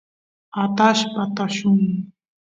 atashpa tullun